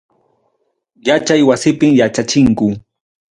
Yachay wasipim yachachinku.